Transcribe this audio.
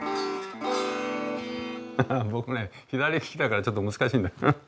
僕ね左利きだからちょっと難しいんだよ。